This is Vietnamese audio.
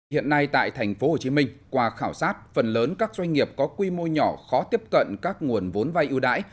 hiện nay tại tp hcm qua khảo sát phần lớn các doanh nghiệp có quy mô nhỏ khó tiếp cận các nguồn vốn vay ưu đãi